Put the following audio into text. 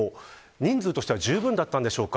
人数はじゅうぶんだったのでしょうか。